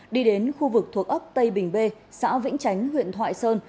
đi đến khu vực thuộc ấp tây bình bê xã vĩnh chánh huyện thoại sơn